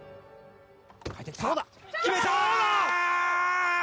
決めた！